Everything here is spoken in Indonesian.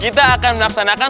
kita akan melaksanakan